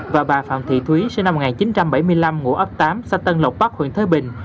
và bà phạm thị thúy sinh năm một nghìn chín trăm bảy mươi năm ngủ ấp tám xa tân lộc bắc huyện thế bình